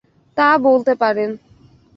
তা বলতে পারেন।